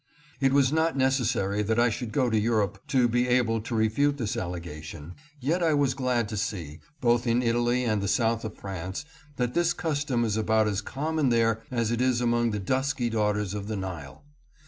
It was not necessary that I should go to Europe to be able to refute this allegation, yet I was glad to see, both in Italy and the south of France, that this custom is about as common there as it is among the dusky daughters of the Nile.